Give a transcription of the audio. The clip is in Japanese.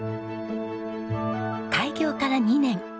開業から２年。